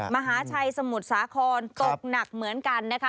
มหาชัยสมุทรสาครตกหนักเหมือนกันนะคะ